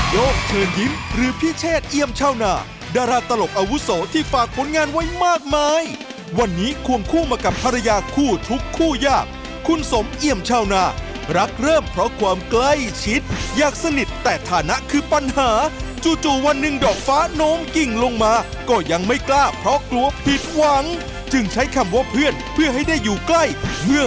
โยกเชิญยิ้มหรือพี่เชษเอี่ยมชาวนาดาราตลกอาวุโสที่ฝากผลงานไว้มากมายวันนี้ควงคู่มากับภรรยาคู่ทุกคู่ยากคุณสมเอี่ยมชาวนารักเริ่มเพราะความใกล้ชิดอยากสนิทแต่ฐานะคือปัญหาจู่วันหนึ่งดอกฟ้าโน้มกิ่งลงมาก็ยังไม่กล้าเพราะกลัวผิดหวังจึงใช้คำว่าเพื่อนเพื่อให้ได้อยู่ใกล้เมื่อ